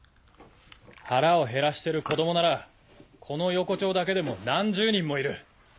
腹をへらしてる子供ならこの横町だけでも何十人もいる。